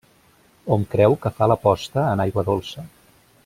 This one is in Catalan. Hom creu que fa la posta en aigua dolça.